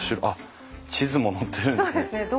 あっ地図も載ってるんですね。